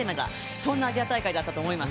そんなアジア大会だったと思います。